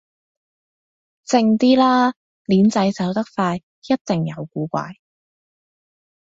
靜啲啦，僆仔走得快一定有古怪